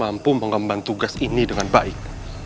mampu mengembang tugas ini dengan baik